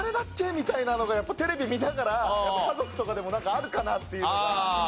みたいなのがやっぱテレビ見ながら家族とかでもあるかなっていうのが。